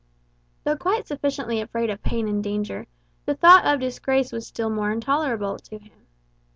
Though quite sufficiently afraid of pain and danger, the thought of disgrace was still more intolerable to him.